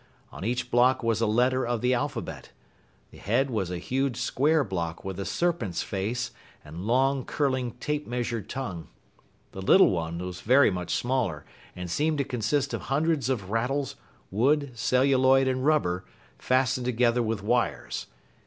On each block was a letter of the alphabet. The head was a huge square block with a serpent's face and long, curling, tape measure tongue. The little one was very much smaller and seemed to consist of hundreds of rattles, wood, celluloid, and rubber, fastened together with wires.